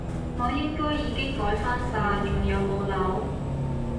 我應該已經改返晒，仲有冇漏？